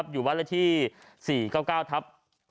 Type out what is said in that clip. อยู่วันละที่๔๙๙ทัพ๖๑